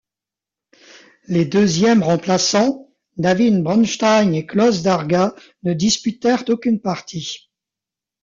Les deuxièmes remplaçants, David Bronstein et Klaus Darga, ne disputèrent aucune partie.